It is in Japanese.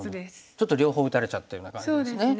ちょっと両方打たれちゃったような感じですね。